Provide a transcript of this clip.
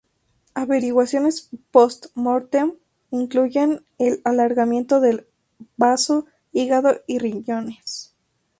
Averiguaciones Post-mortem incluyen en alargamiento del bazo, hígado y riñones.